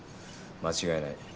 間違いない。